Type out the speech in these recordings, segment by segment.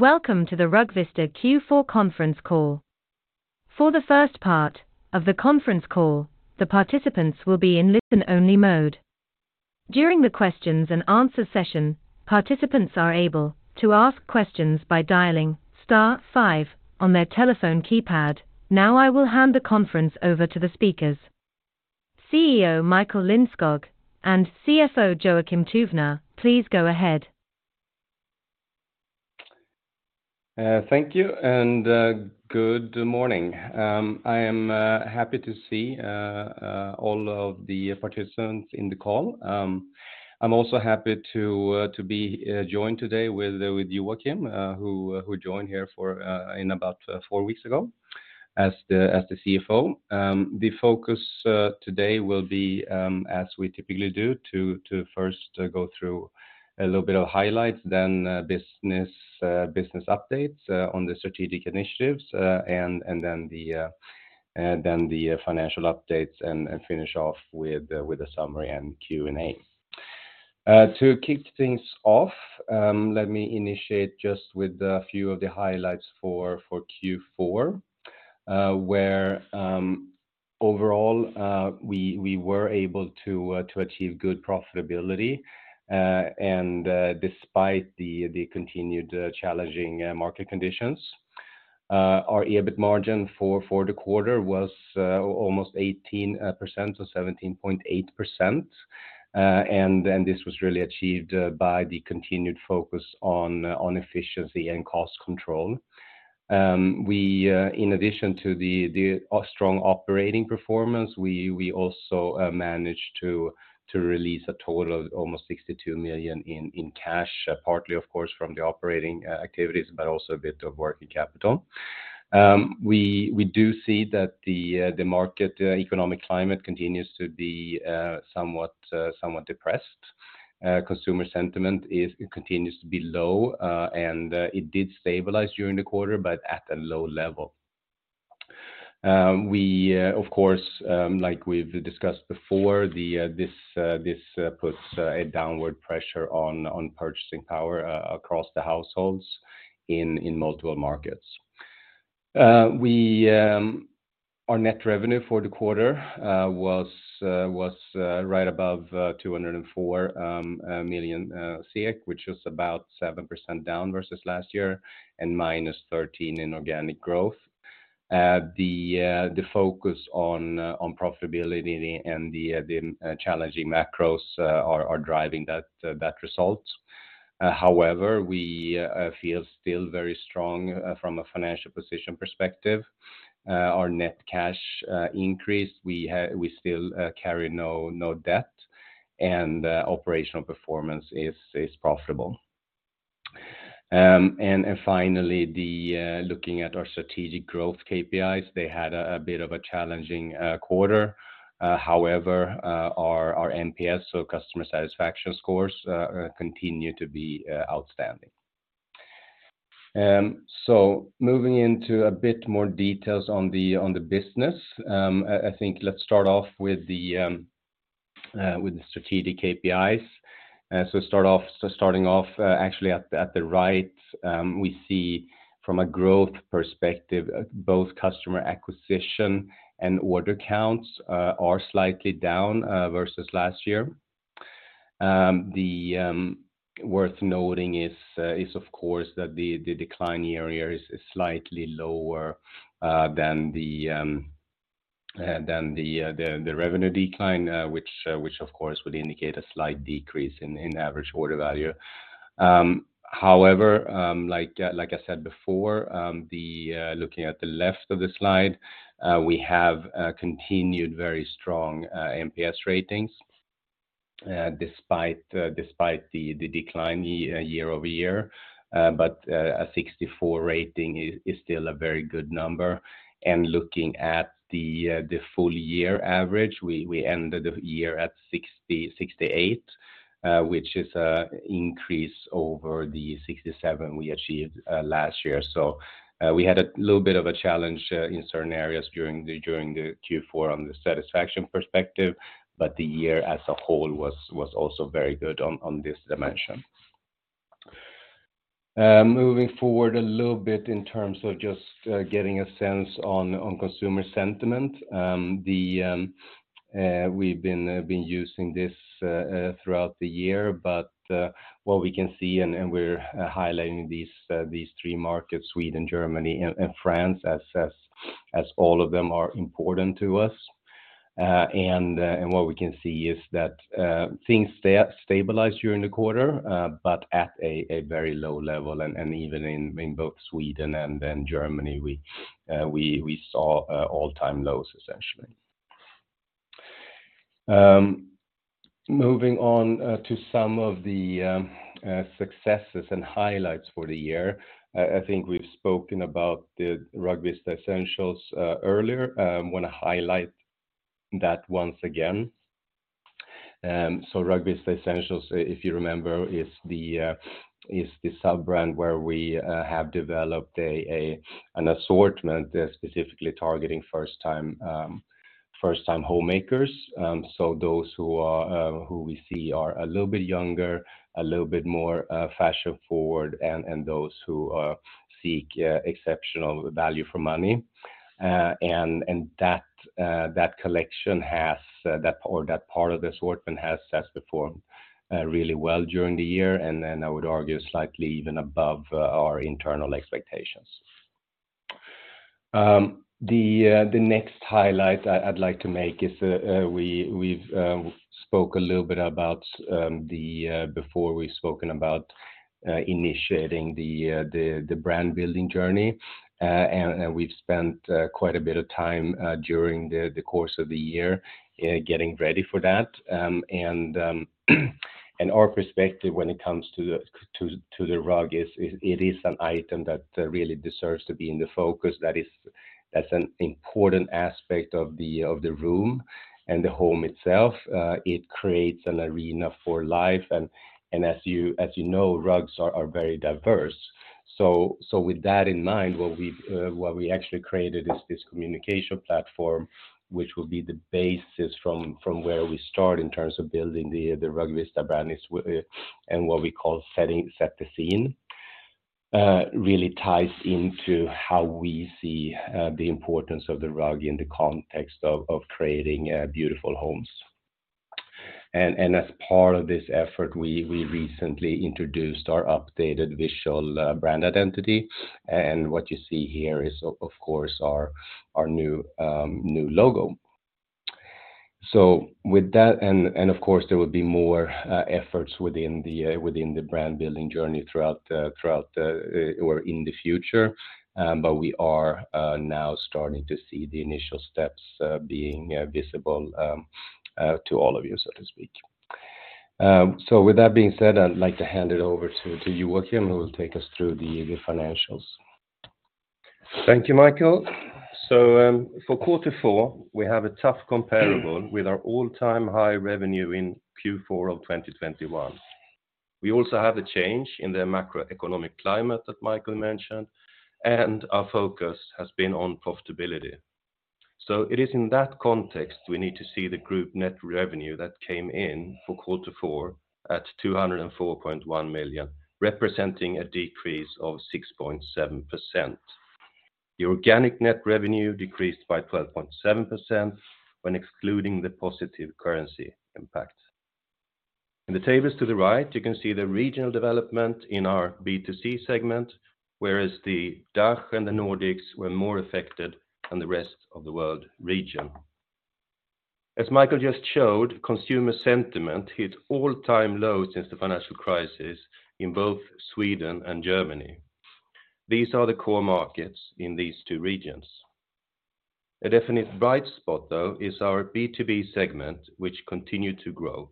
Welcome to the Rugvista Q4 conference call. For the first part of the conference call, the participants will be in listen-only mode. During the questions and answer session, participants are able to ask questions by dialing star five on their telephone keypad. I will hand the conference over to the speakers. CEO Michael Lindskog and CFO Joakim Tuvner, please go ahead. Thank you and good morning. I am happy to see all of the participants in the call. I'm also happy to be joined today with Joakim, who joined here for in about four weeks ago as the CFO. The focus today will be, as we typically do, to first go through a little bit of highlights then business updates on the strategic initiatives, and then the financial updates and finish off with a summary and Q&A. To kick things off, let me initiate just with a few of the highlights for Q4, where overall we were able to achieve good profitability. Uh, and despite the, the continued challenging market conditions, uh, our EBIT margin for, for the quarter was, uh, almost 18%, so 17.8%. Uh, and then this was really achieved, uh, by the continued focus on, on efficiency and cost control. Um, we, uh, in addition to the, the strong operating performance, we, we also, uh, managed to, to release a total of almost 62 million in, in cash, partly of course, from the operating, uh, activities, but also a bit of working capital. Um, we, we do see that the, uh, the market, uh, economic climate continues to be, uh, somewhat, uh, somewhat depressed. Uh, consumer sentiment is-- it continues to be low, uh, and, uh, it did stabilize during the quarter, but at a low level. We, of course, like we've discussed before, this puts a downward pressure on purchasing power across the households in multiple markets. Our net revenue for the quarter was right above 204 million, which was about 7% down versus last year and -13% in organic growth. The focus on profitability and the challenging macros are driving that result. However, we feel still very strong from a financial position perspective. Our net cash increased. We still carry no debt, and operational performance is profitable. Finally, the looking at our strategic growth KPIs, they had a bit of a challenging quarter. However, our NPS, so customer satisfaction scores, continue to be outstanding. Moving into a bit more details on the business, I think let's start off with the strategic KPIs. Starting off, actually at the right, we see from a growth perspective, both customer acquisition and order counts, are slightly down versus last year. The worth noting is of course that the decline year-over-year is slightly lower than the, than the revenue decline, which of course would indicate a slight decrease in average order value. However, like I said before, looking at the left of the slide, we have continued very strong NPS ratings, despite the decline year-over-year. A 64 rating is still a very good number. Looking at the full year average, we ended the year at 68, which is increase over the 67 we achieved last year. We had a little bit of a challenge in certain areas during the Q4 on the satisfaction perspective, but the year as a whole was also very good on this dimension. Moving forward a little bit in terms of just getting a sense on consumer sentiment, the we've been using this throughout the year. What we can see and we're highlighting these three markets: Sweden, Germany and France, as all of them are important to us. What we can see is that things stabilized during the quarter, but at a very low level. Even in both Sweden and in Germany, we saw all-time lows essentially. Moving on to some of the successes and highlights for the year. I think we've spoken about the Rugvista Essentials earlier. Wanna highlight that once again. Rugvista Essentials, if you remember, is the sub-brand where we have developed an assortment specifically targeting first-time homemakers. Those who are who we see are a little bit younger, a little bit more fashion-forward and those who seek exceptional value for money. That collection has that or that part of the assortment has performed really well during the year, and then I would argue slightly even above our internal expectations. The next highlight I'd like to make is we've spoke a little bit about the before we've spoken about initiating the brand building journey. We've spent quite a bit of time during the course of the year getting ready for that. Our perspective when it comes to the rug is it is an item that really deserves to be in the focus. That's an important aspect of the room and the home itself. It creates an arena for life and as you know, rugs are very diverse. With that in mind, what we've, what we actually created is this communication platform, which will be the basis from where we start in terms of building the Rugvista brand and what we call "Set the Scene" really ties into how we see the importance of the rug in the context of creating beautiful homes. As part of this effort, we recently introduced our updated visual brand identity, and what you see here is of course our new logo. With that, of course, there will be more efforts within the brand building journey throughout the or in the future. We are now starting to see the initial steps being visible to all of you, so to speak. With that being said, I'd like to hand it over to Joakim who will take us through the financials. Thank you, Michael. For quarter four, we have a tough comparable with our all-time high revenue in Q4 of 2021. We also have a change in the macroeconomic climate that Michael mentioned, and our focus has been on profitability. It is in that context we need to see the group net revenue that came in for quarter four at 204.1 million, representing a -6.7%. The organic net revenue decreased by 12.7% when excluding the positive currency impact. In the tables to the right, you can see the regional development in our B2C segment, whereas the DACH and the Nordics were more affected than the rest of the world region. Michael just showed, consumer sentiment hit all-time low since the financial crisis in both Sweden and Germany. These are the core markets in these two regions. A definite bright spot though is our B2B segment, which continued to grow.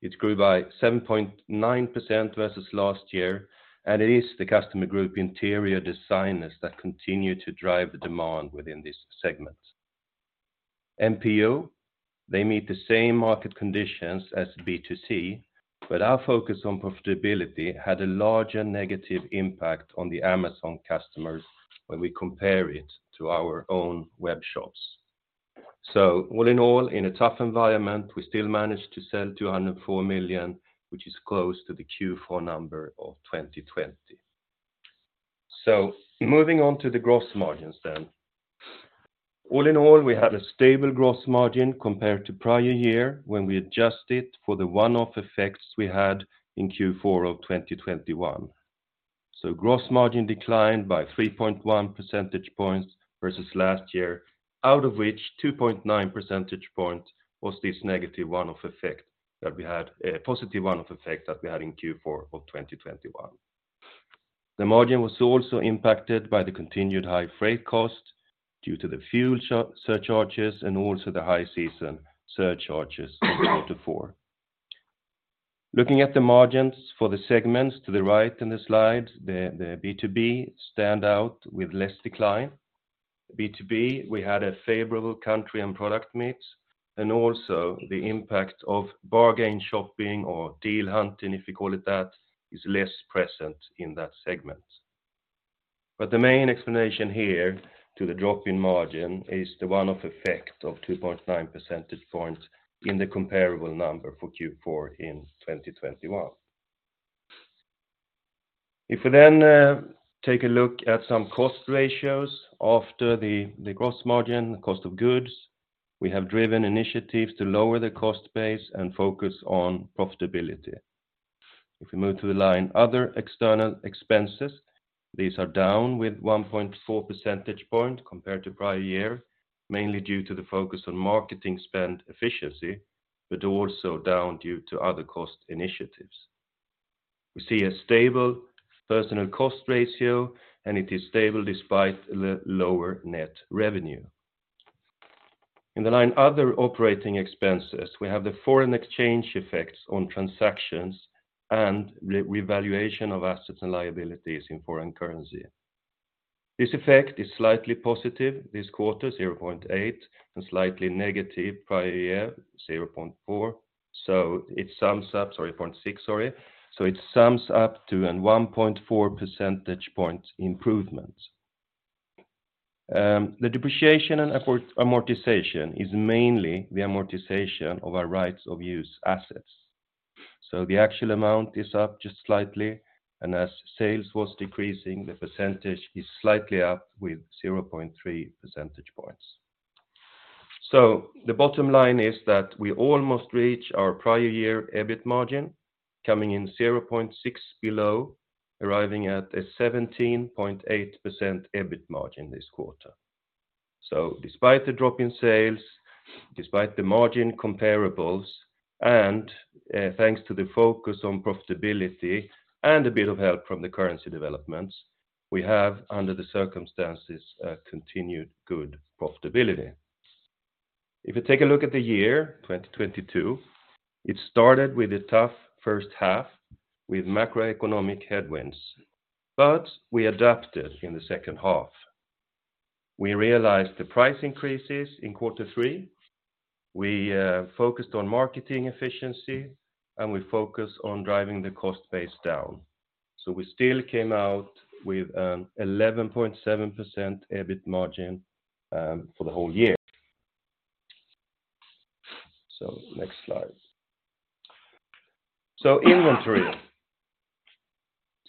It grew by 7.9% versus last year, and it is the customer group interior designers that continue to drive the demand within this segment. MPO, they meet the same market conditions as B2C, but our focus on profitability had a larger negative impact on the Amazon customers when we compare it to our own web shops. All in all, in a tough environment, we still managed to sell 204 million, which is close to the Q4 number of 2020. Moving on to the gross margins then. All in all, we had a stable gross margin compared to prior year when we adjusted for the one-off effects we had in Q4 of 2021. Gross margin declined by 3.1 percentage points versus last year, out of which 2.9 percentage points was this positive one-off effect that we had in Q4 of 2021. The margin was also impacted by the continued high freight cost due to the fuel surcharges and also the high season surcharges in Q4. Looking at the margins for the segments to the right in the slide, the B2B stand out with less decline. B2B, we had a favorable country and product mix, and also the impact of bargain shopping or deal hunting, if you call it that, is less present in that segment. The main explanation here to the drop in margin is the one-off effect of 2.9 percentage points in the comparable number for Q4 in 2021. If we take a look at some cost ratios after the gross margin, cost of goods, we have driven initiatives to lower the cost base and focus on profitability. If we move to the line, other external expenses, these are down with 1.4 percentage point compared to prior year, mainly due to the focus on marketing spend efficiency, but also down due to other cost initiatives. We see a stable personal cost ratio, and it is stable despite the lower net revenue. In the line other operating expenses, we have the foreign exchange effects on transactions and the revaluation of assets and liabilities in foreign currency. This effect is slightly positive this quarter, 0.8%, and slightly negative prior year, 0.4%. It sums up to an 1.4 percentage point improvement. The depreciation and amortization is mainly the amortization of our rights of use assets. The actual amount is up just slightly, and as sales was decreasing, the percentage is slightly up with 0.3 percentage points. The bottom line is that we almost reach our prior year EBIT margin coming in 0.6 percentage points below, arriving at a 17.8% EBIT margin this quarter. Despite the drop in sales, despite the margin comparables, and thanks to the focus on profitability and a bit of help from the currency developments, we have, under the circumstances, a continued good profitability. If you take a look at the year 2022, it started with a tough first half with macroeconomic headwinds, but we adapted in the second half. We realized the price increases in quarter three. We focused on marketing efficiency, and we focused on driving the cost base down. We still came out with 11.7% EBIT margin for the whole year. Next slide. Inventory.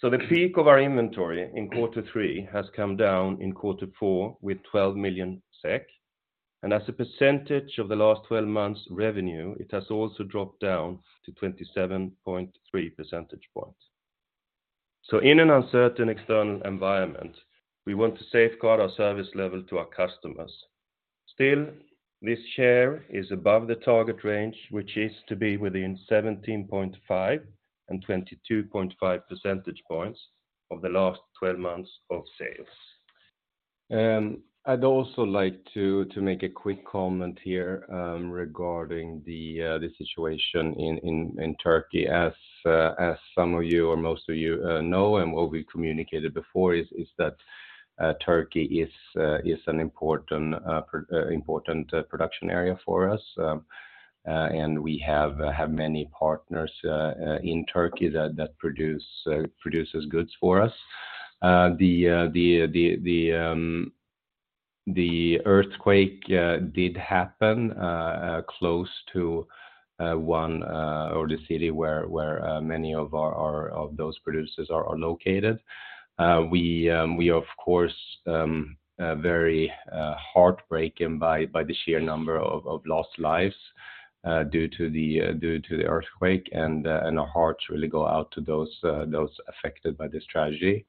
The peak of our inventory in quarter three has come down in quarter four with 12 million SEK, and as a percentage of the last 12 months revenue, it has also dropped down to 27.3 percentage points. In an uncertain external environment, we want to safeguard our service level to our customers. Still, this share is above the target range, which is to be within 17.5 percentage points and 22.5 percentage points of the last 12 months of sales. I'd also like to make a quick comment here, regarding the situation in Turkey. As some of you or most of you know and what we communicated before is that Turkey is an important production area for us. We have many partners in Turkey that produces goods for us. The earthquake did happen close to one or the city where many of our of those producers are located. We of course are very heartbroken by the sheer number of lost lives due to the earthquake and our hearts really go out to those affected by this tragedy.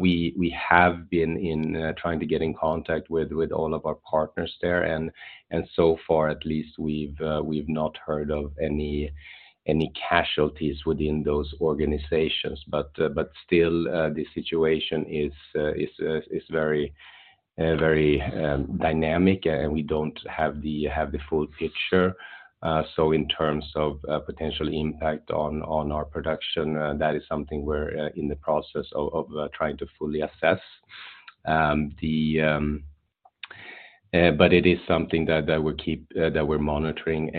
We have been in trying to get in contact with all of our partners there. So far at least we've not heard of any casualties within those organizations. Still, the situation is very dynamic and we don't have the full picture. In terms of potential impact on our production, that is something we're in the process of trying to fully assess. It is something that we're monitoring.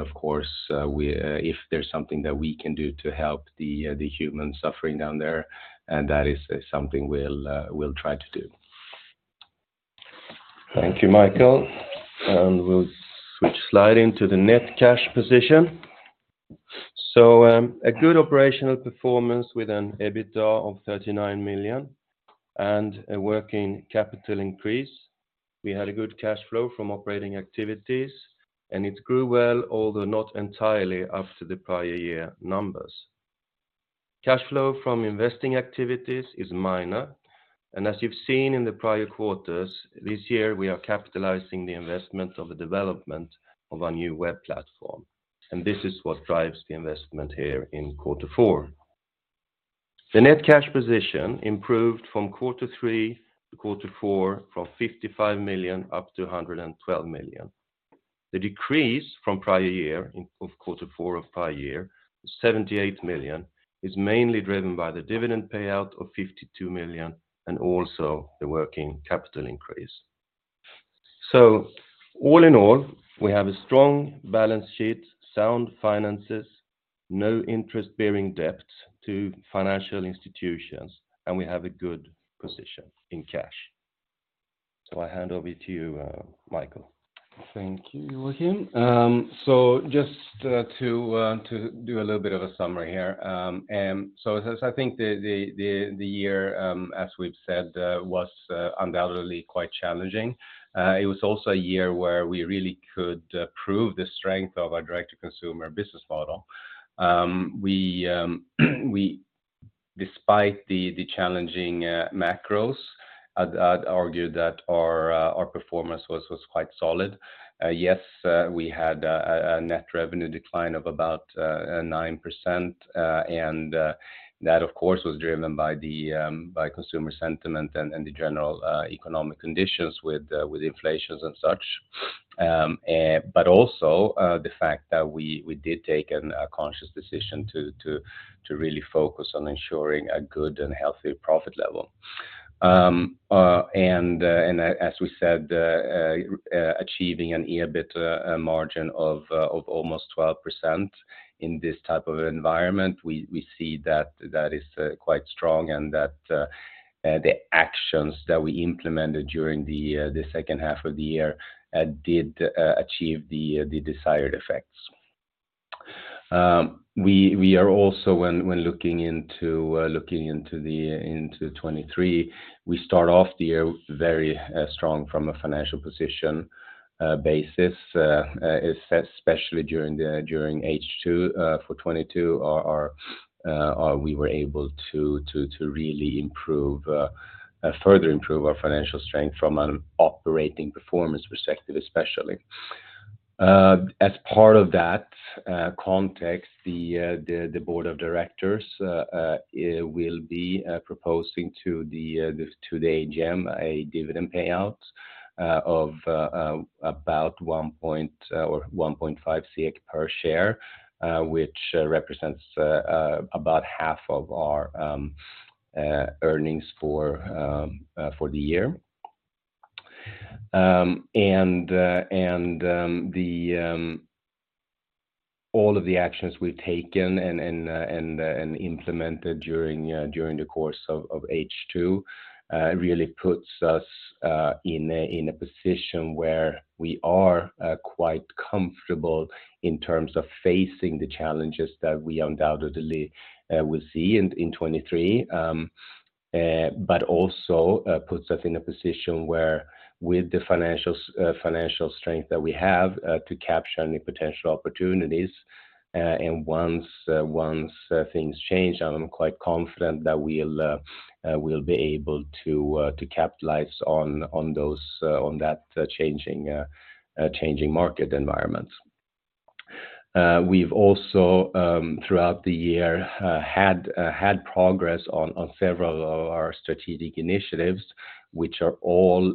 Of course, if there's something that we can do to help the human suffering down there, and that is something we'll try to do. Thank you, Michael. We'll switch slide into the net cash position. A good operational performance with an EBITDA of 39 million and a working capital increase. We had a good cash flow from operating activities, and it grew well, although not entirely after the prior year numbers. Cash flow from investing activities is minor, and as you've seen in the prior quarters, this year we are capitalizing the investment of the development of our new web platform, and this is what drives the investment here in quarter four. The net cash position improved from quarter three to quarter four from 55 million up to 112 million. The decrease from prior year, of quarter four of prior year, 78 million, is mainly driven by the dividend payout of 52 million and also the working capital increase. All in all, we have a strong balance sheet, sound finances, no interest bearing debt to financial institutions, and we have a good position in cash. I hand over to you, Michael. Thank you, Joakim. Just to do a little bit of a summary here. As I think the year, as we've said, was undoubtedly quite challenging. It was also a year where we really could prove the strength of our direct to consumer business model. We, despite the challenging macros, I'd argue that our performance was quite solid. Yes, we had a net revenue decline of about 9%, that of course was driven by consumer sentiment and the general economic conditions with inflations and such. But also, the fact that we did take a conscious decision to really focus on ensuring a good and healthy profit level. As we said, achieving an EBIT margin of almost 12% in this type of environment, we see that that is quite strong and that the actions that we implemented during the second half of the year did achieve the desired effects. We are also when looking into looking into the into 2023, we start off the year very strong from a financial position basis. Especially during H2 for 2022. We were able to really improve, further improve our financial strength from an operating performance perspective, especially. As part of that context, the Board of Directors will be proposing to the AGM a dividend payout of about 1.5 per share, which represents about half of our earnings for the year. All of the actions we've taken and implemented during the course of H2 really puts us in a position where we are quite comfortable in terms of facing the challenges that we undoubtedly will see in 2023. But also puts us in a position where with the financial strength that we have to capture any potential opportunities, and once things change, I'm quite confident that we'll be able to capitalize on those on that changing changing market environment. We've also throughout the year had progress on several of our strategic initiatives, which are all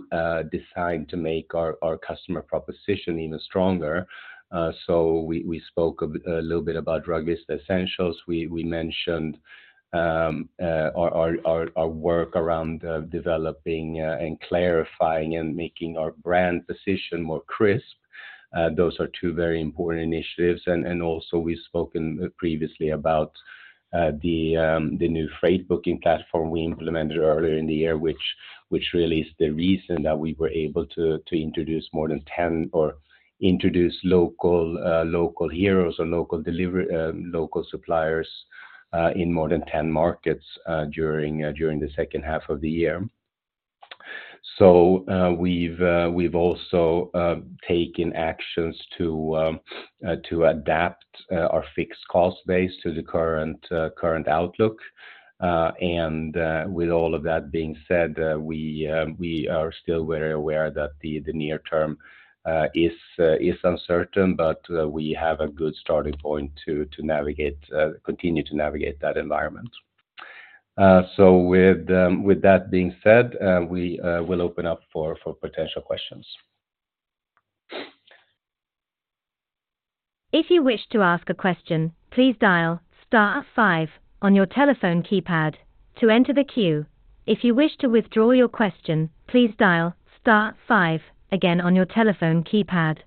designed to make our customer proposition even stronger. So we spoke a little bit about Rugvista Essentials. We mentioned our work around developing and clarifying and making our brand position more crisp. Those are two very important initiatives. Also, we've spoken previously about the new freight booking platform we implemented earlier in the year, which really is the reason that we were able to introduce more than 10 or introduce local heroes or local suppliers in more than 10 markets during the second half of the year. We've also taken actions to adapt our fixed cost base to the current current outlook. With all of that being said, we are still very aware that the near term is uncertain, but we have a good starting point to navigate continue to navigate that environment. With that being said, we will open up for potential questions. If you wish to ask a question, please dial star five on your telephone keypad to enter the queue. If you wish to withdraw your question, please dial star five again on your telephone keypad.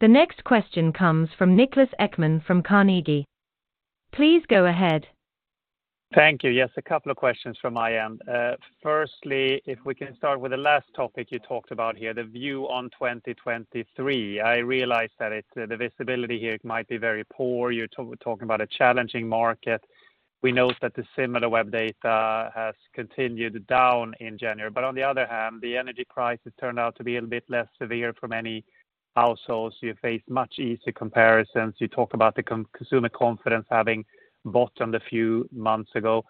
The next question comes from Niklas Ekman from Carnegie. Please go ahead. Thank you. Yes, a couple of questions from my end. Firstly, if we can start with the last topic you talked about here, the view on 2023. I realize that it's the visibility here might be very poor. You're talking about a challenging market. We know that the Similarweb data has continued down in January. On the other hand, the energy prices turned out to be a little bit less severe for many households. You face much easier comparisons. You talk about the consumer confidence having bottomed a few months ago.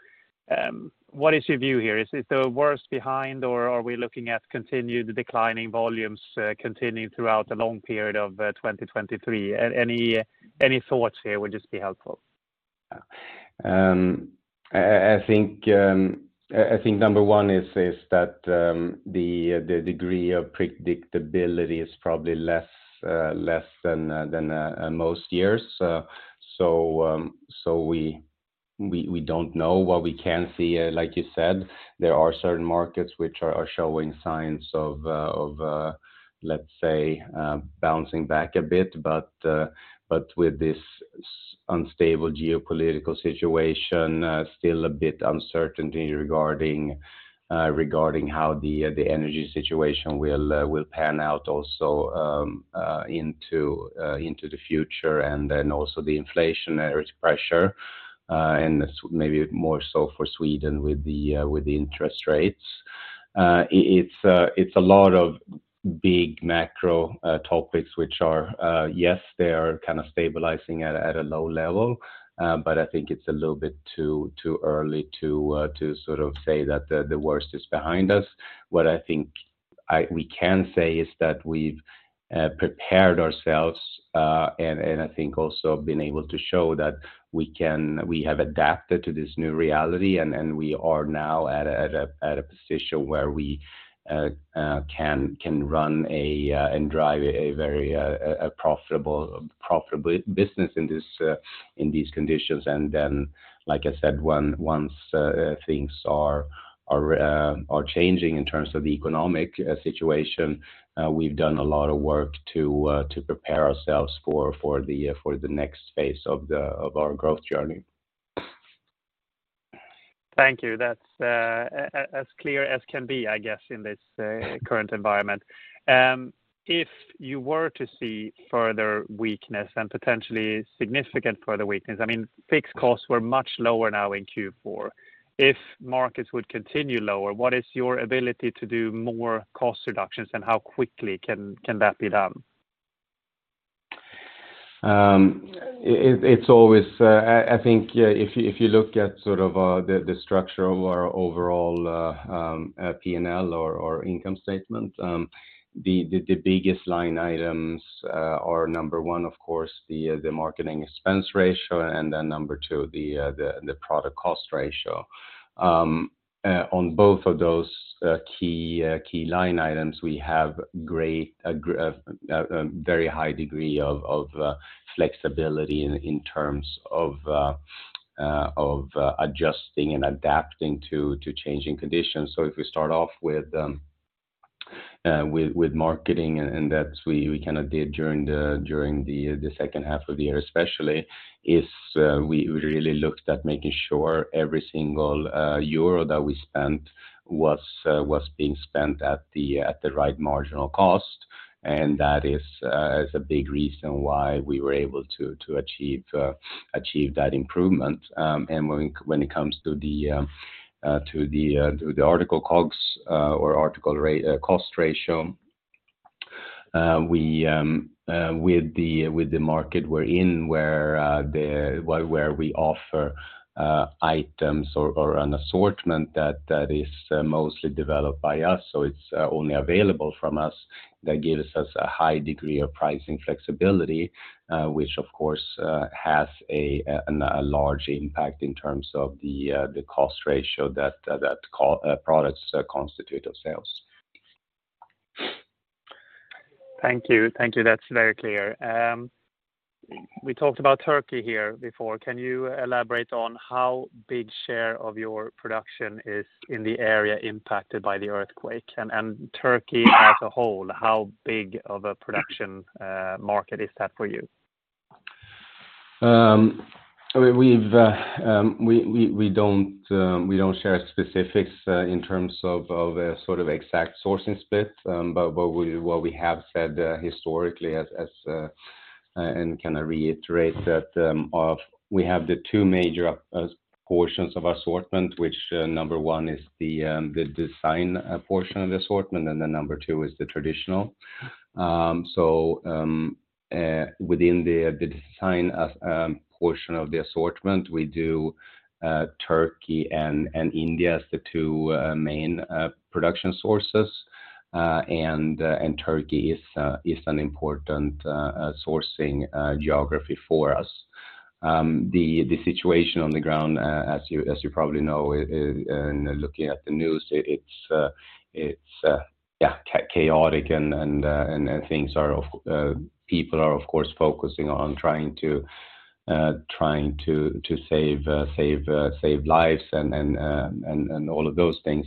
What is your view here? Is the worst behind or are we looking at continued declining volumes, continuing throughout the long period of 2023? Any thoughts here would just be helpful. I think number one is that the degree of predictability is probably less than most years. We don't know. What we can see, like you said, there are certain markets which are showing signs of, let's say, bouncing back a bit. With this unstable geopolitical situation, still a bit uncertainty regarding how the energy situation will pan out also, into the future, and then also the inflationary pressure, and maybe more so for Sweden with the interest rates. It's a lot of big macro topics which are, yes, they are kind of stabilizing at a low level, but I think it's a little bit too early to sort of say that the worst is behind us. What I think we can say is that we've prepared ourselves, and I think also been able to show that we have adapted to this new reality and we are now at a position where we can run and drive a very profitable business in these conditions. Like I said, once things are changing in terms of the economic situation, we've done a lot of work to prepare ourselves for the next phase of our growth journey. Thank you. That's as clear as can be, I guess, in this current environment. If you were to see further weakness and potentially significant further weakness, I mean, fixed costs were much lower now in Q4. If markets would continue lower, what is your ability to do more cost reductions, and how quickly can that be done? It's always, I think, yeah, if you look at sort of, the structure of our overall P&L or income statement, the biggest line items are number one, of course, the marketing expense ratio and then number two, the product cost ratio. On both of those key line items, we have a very high degree of flexibility in terms of adjusting and adapting to changing conditions. If we start off with marketing, and that we kind of did during the second half of the year especially, is, we really looked at making sure every single euro that we spent was being spent at the right marginal cost. That is a big reason why we were able to achieve that improvement. When it comes to the article COGS, or article cost ratio, we with the market we're in, where we offer items or an assortment that is mostly developed by us. So it's only available from us, that gives us a high degree of pricing flexibility, which of course has a large impact in terms of the cost ratio that products constitute of sales. Thank you. Thank you. That's very clear. We talked about Turkey here before. Can you elaborate on how big share of your production is in the area impacted by the earthquake? Turkey as a whole, how big of a production market is that for you? We've, we don't share specifics in terms of a sort of exact sourcing split. What we have said historically as, and can I reiterate that, we have the two major portions of our assortment which number one is the design portion of the assortment and then number two is the traditional. Within the design as portion of the assortment, we do Turkey and India as the two main production sources. Turkey is an important sourcing geography for us. The situation on the ground, as you probably know, in looking at the news, it's, yeah, chaotic and things are, people are, of course, focusing on trying to save lives and all of those things.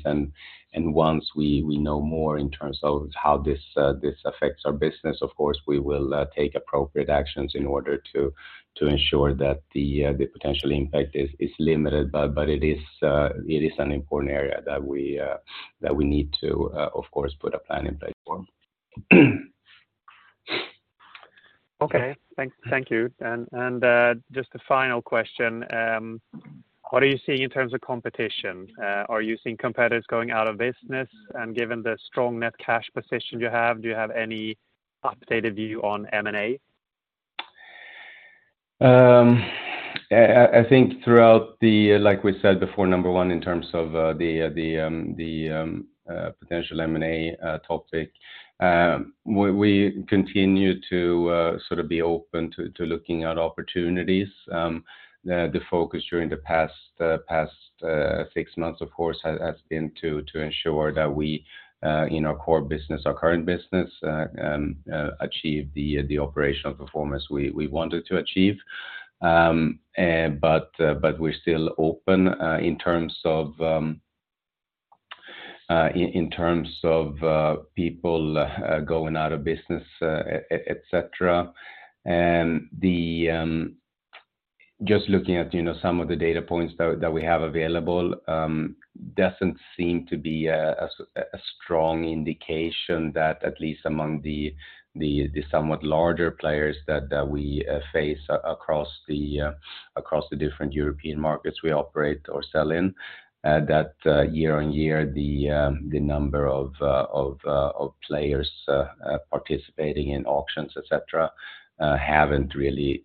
Once we know more in terms of how this affects our business, of course, we will take appropriate actions in order to ensure that the potential impact is limited. It is an important area that we need to of course put a plan in place for. Okay. Thank you. Just a final question. What are you seeing in terms of competition? Are you seeing competitors going out of business? Given the strong net cash position you have, do you have any updated view on M&A? I think throughout the, like we said before, number one, in terms of potential M&A topic, we continue to sort of be open to looking at opportunities. The focus during the past six months, of course, has been to ensure that we in our core business, our current business, achieve the operational performance we wanted to achieve. But we're still open in terms of people going out of business et cetera. The, just looking at, you know, some of the data points that we have available, doesn't seem to be a strong indication that at least among the somewhat larger players that we face across the different European markets we operate or sell in, that year-on-year, the number of players participating in auctions, et cetera, haven't really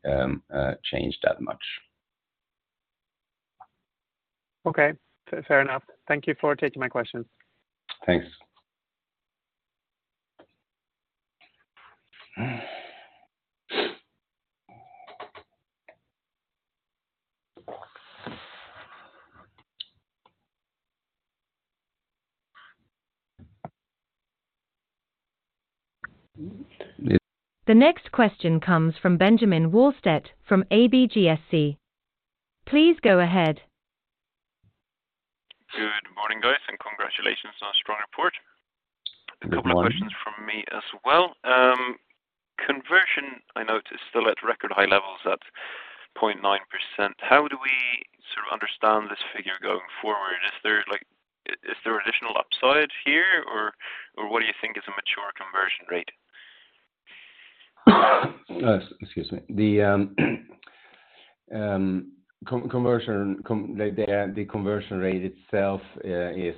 changed that much. Okay, fair enough. Thank you for taking my question. Thanks. The next question comes from Benjamin Wahlstedt from ABGSC. Please go ahead. Good morning, guys, and congratulations on a strong report. Good morning. A couple of questions from me as well. Conversion, I noticed still at record high levels at 0.9%. How do we sort of understand this figure going forward? Is there like additional upside here or what do you think is a mature conversion rate? Excuse me. The conversion rate itself is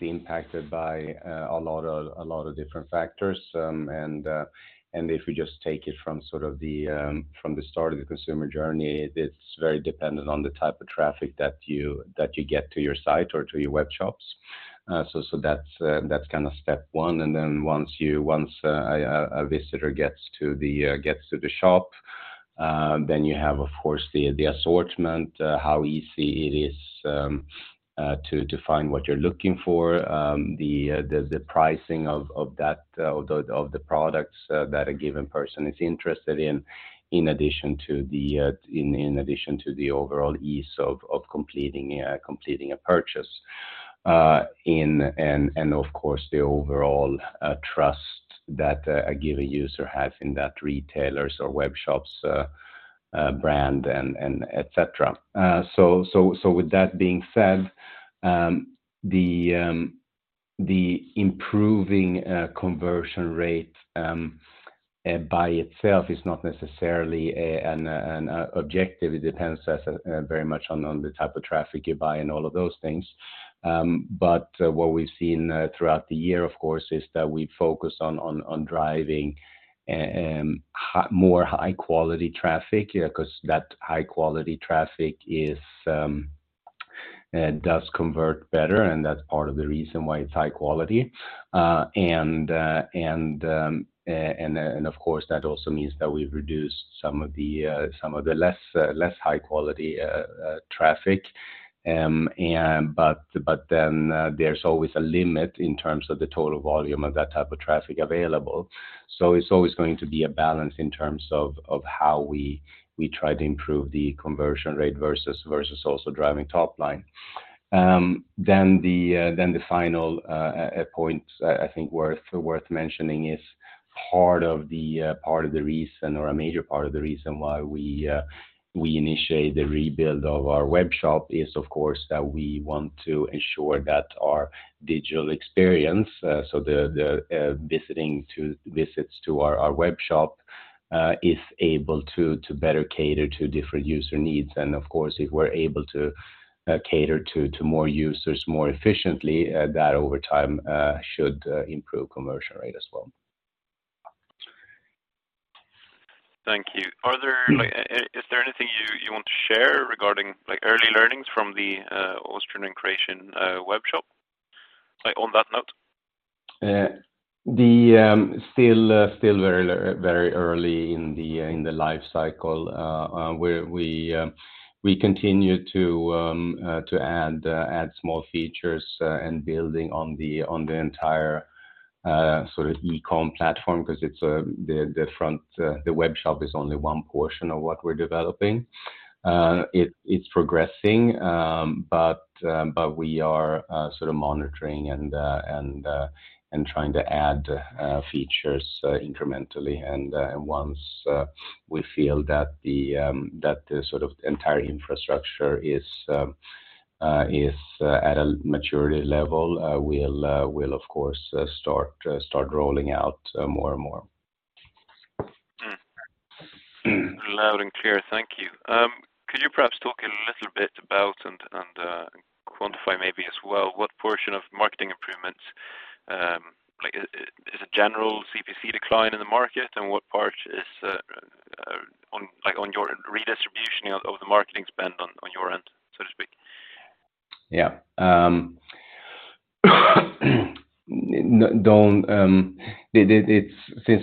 impacted by a lot of different factors. If you just take it from sort of the from the start of the consumer journey, it's very dependent on the type of traffic that you get to your site or to your web shops. So that's kinda step one. Then once you... Once a visitor gets to the shop, then you have, of course, the assortment, how easy it is to find what you're looking for, the pricing of that of the products that a given person is interested in addition to the overall ease of completing a purchase. Of course, the overall trust that a given user has in that retailer's or web shop's brand and et cetera. With that being said, the improving conversion rate by itself is not necessarily an objective. It depends as very much on the type of traffic you buy and all of those things. What we've seen throughout the year, of course, is that we focus on driving more high quality traffic, 'cause that high quality traffic does convert better, and that's part of the reason why it's high quality. Then, of course, that also means that we've reduced some of the less high quality traffic. There's always a limit in terms of the total volume of that type of traffic available. It's always going to be a balance in terms of how we try to improve the conversion rate versus also driving top line. Then the final point I think worth mentioning is part of the reason or a major part of the reason why we initiate the rebuild of our web shop is of course that we want to ensure that our digital experience, so the visits to our web shop, is able to better cater to different user needs. Of course, if we're able to cater to more users more efficiently, that over time, should improve conversion rate as well. Thank you. Mm-hmm. Like, is there anything you want to share regarding, like, early learnings from the Austrian and Croatian web shop, like, on that note? Still very early in the life cycle. We continue to add small features and building on the entire sort of e-comm platform 'cause it's the front. The web shop is only one portion of what we're developing. It's progressing, but we are sort of monitoring and trying to add features incrementally. Once we feel that the sort of entire infrastructure is at a maturity level, we'll of course start rolling out more and more. Mm. Mm. Loud and clear. Thank you. Could you perhaps talk a little bit about and quantify maybe as well what portion of marketing improvements, like is a general CPC decline in the market and what part is on, like, on your redistribution of the marketing spend on your end, so to speak? Yeah. Since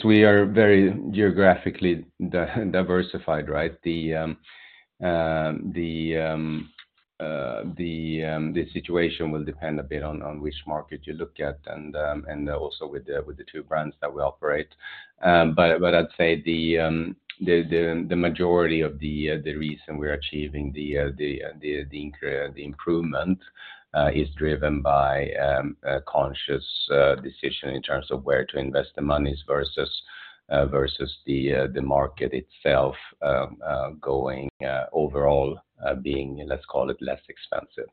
we are very geographically diversified, right? The situation will depend a bit on which market you look at and also with the two brands that we operate. I'd say the majority of the reason we're achieving the improvement is driven by a conscious decision in terms of where to invest the monies versus the market itself going overall being, let's call it less expensive.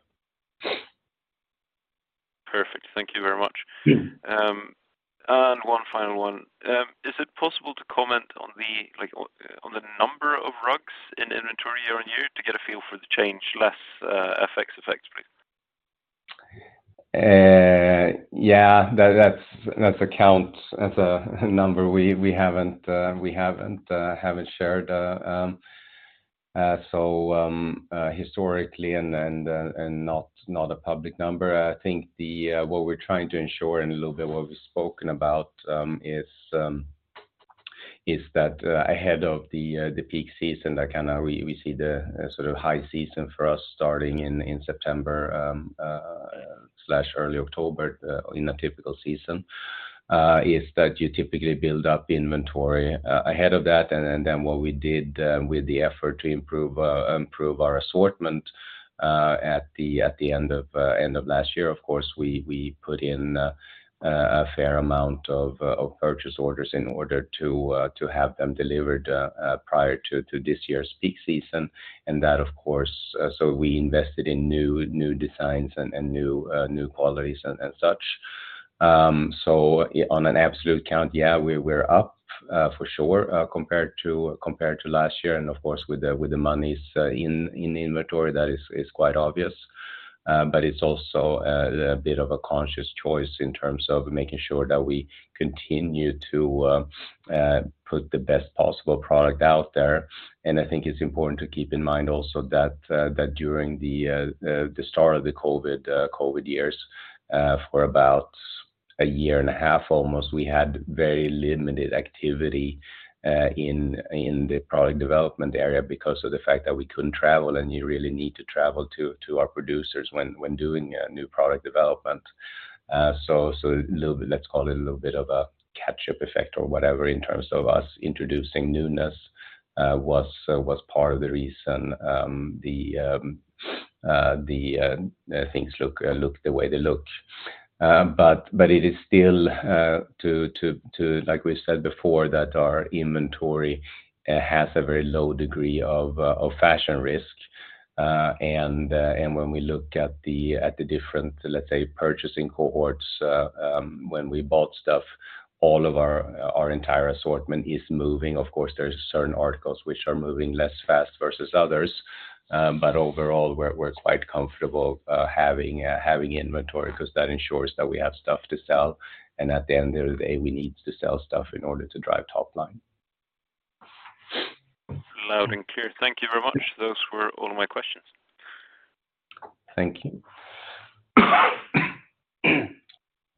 Perfect. Thank you very much. Mm. One final one. Is it possible to comment on the number of rugs in inventory year-on-year to get a feel for the change less FX effects please? Yeah, that's a count. That's a number we haven't shared. Historically and not a public number. I think the what we're trying to ensure and a little bit what we've spoken about, is that ahead of the peak season. That kind of we see the sort of high season for us starting in September/early October in a typical season, is that you typically build up inventory ahead of that. What we did with the effort to improve our assortment at the end of last year. Of course, we put in a fair amount of purchase orders in order to have them delivered prior to this year's peak season. That of course, so we invested in new designs and new qualities and such. So on an absolute count, yeah, we're up for sure compared to last year. Of course with the monies in the inventory that is quite obvious. But it's also a bit of a conscious choice in terms of making sure that we continue to put the best possible product out there. I think it's important to keep in mind also that during the start of the COVID years, for about 1.5 years almost, we had very limited activity in the product development area because of the fact that we couldn't travel and you really need to travel to our producers when doing new product development. Let's call it a little bit of a catch-up effect or whatever in terms of us introducing newness was part of the reason the things look the way they look. It is still to like we said before, that our inventory has a very low degree of fashion risk. When we look at the different, let's say, purchasing cohorts when we bought stuff, all of our entire assortment is moving. Of course, there's certain articles which are moving less fast versus others. Overall we're quite comfortable having inventory 'cause that ensures that we have stuff to sell. At the end of the day, we need to sell stuff in order to drive top line. Loud and clear. Thank you very much. Those were all my questions. Thank you.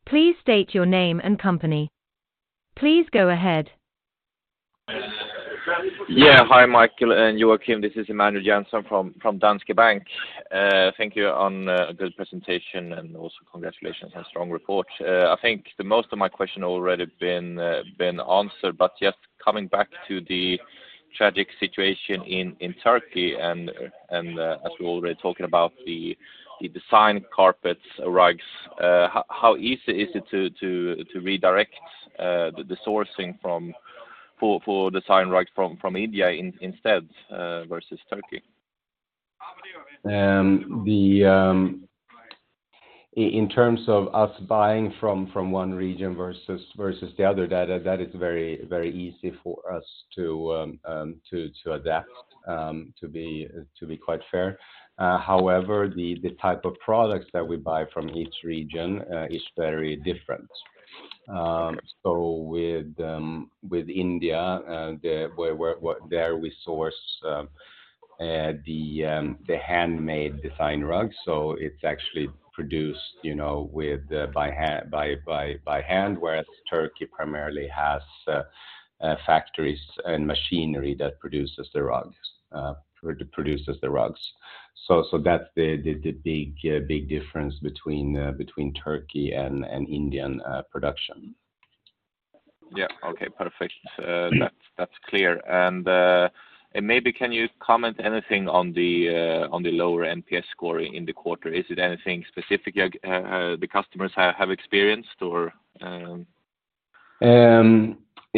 Please state your name and company. Please go ahead. Hi Michael and Joakim. This is Emanuel Jansson from Danske Bank. Thank you on a good presentation and also congratulations on strong report. I think the most of my question already been answered, but just coming back to the tragic situation in Turkey and as we're already talking about the design carpets, rugs. How easy is it to redirect the sourcing for design rug from India instead versus Turkey? In terms of us buying from one region versus the other, that is very easy for us to adapt, to be quite fair. However, the type of products that we buy from each region is very different. With India, where there we source the handmade design rugs. It's actually produced, you know, by hand, whereas Turkey primarily has factories and machinery that produces the rugs. That's the big difference between Turkey and Indian production. Yeah. Okay, perfect. Mm-hmm. That's clear. Maybe can you comment anything on the lower NPS score in the quarter? Is it anything specific the customers have experienced or?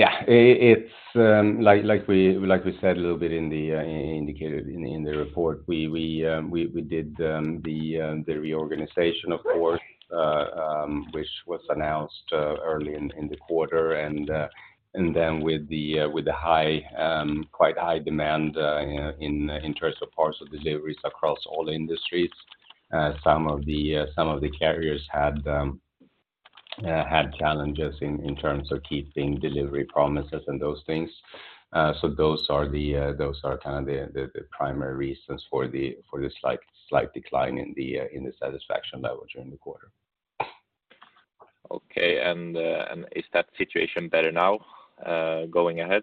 Yeah. It's like we said a little bit in the indicated in the report. We did the reorganization of course which was announced early in the quarter. Then with the high, quite high demand in terms of parcel deliveries across all industries, some of the carriers had challenges in terms of keeping delivery promises and those things. So those are kind of the primary reasons for the slight decline in the satisfaction level during the quarter. Okay. Is that situation better now, going ahead?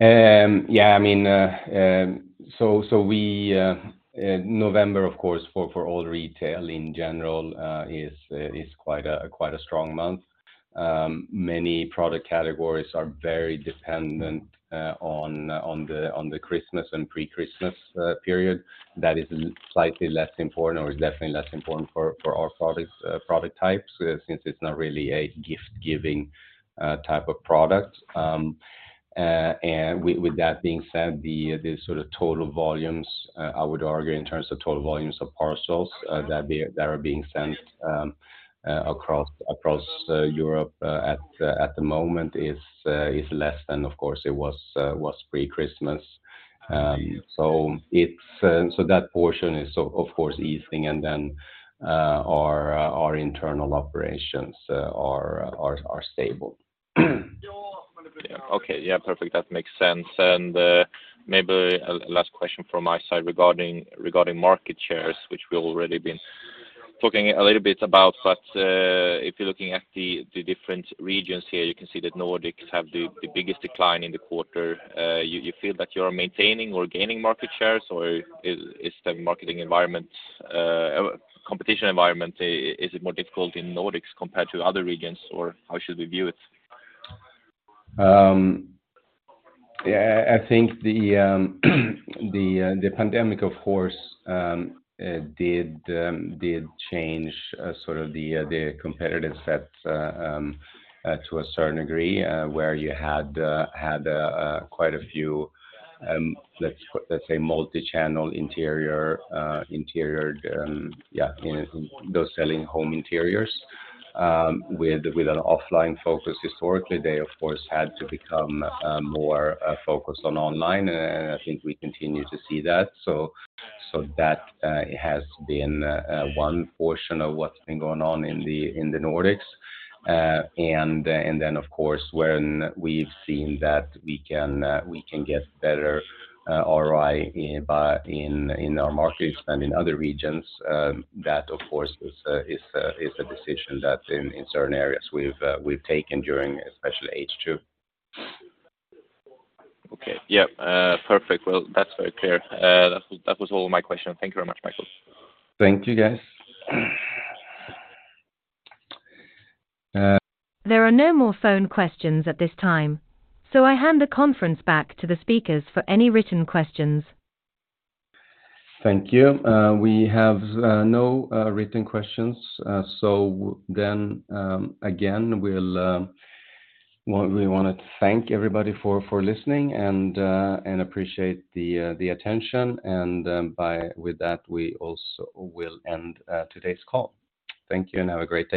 Yeah. I mean, we... November of course, for all retail in general, is quite a strong month. Many product categories are very dependent on the Christmas and pre-Christmas period that is slightly less important or is definitely less important for our products, product types. Since it's not really a gift giving type of product. With that being said, the sort of total volumes, I would argue in terms of total volumes of parcels that are being sent across Europe at the moment is less than of course it was pre-Christmas. It's so that portion is of course easing, and then our internal operations are stable. Yeah. Okay. Yeah, perfect. That makes sense. Maybe a last question from my side regarding market shares which we already been talking a little bit about. If you're looking at the different regions here, you can see that Nordics have the biggest decline in the quarter. You feel that you're maintaining or gaining market shares, or is the marketing environment or competition environment is it more difficult in Nordics compared to other regions, or how should we view it? Yeah. I think the pandemic, of course, did change sort of the competitive set to a certain degree. Where you had quite a few, let's say multi-channel interior. You know, those selling home interiors, with an offline focus historically. They, of course, had to become more focused on online. I think we continue to see that. That has been one portion of what's been going on in the Nordics. And then, of course, when we've seen that we can get better ROI by, in our markets and in other regions, that of course is a decision that in certain areas we've taken during especially H2. Okay. Yeah. perfect. Well, that's very clear. That was all my questions. Thank you very much, Michael. Thank you, guys. There are no more phone questions at this time, so I hand the conference back to the speakers for any written questions. Thank you. We have no written questions. Again, we'll... We wanna thank everybody for listening and appreciate the attention. By with that, we also will end today's call. Thank you and have a great day.